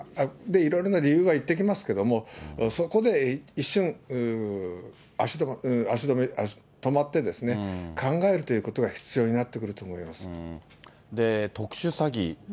いろいろな理由を言ってきますけれども、そこで一瞬、止まって、考えるということが必要になって特殊詐欺。